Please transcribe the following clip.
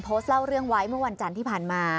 เล่าเรื่องไว้เมื่อวันจันทร์ที่ผ่านมา